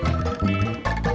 sampai jumpa lagi